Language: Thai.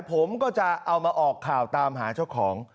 ผมก็จะเอามาออกข่าวตามหาเจ้าของ